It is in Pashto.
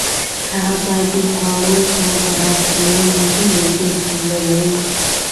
هغه به د خوړو په برابرولو ډېرې پیسې لګولې.